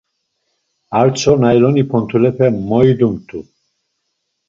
Artso nayloni pontulepe moidumt̆u.